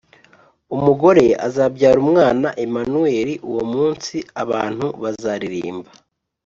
umugore azabyara umwana, emanueli. uwo munsi abantubazaririmba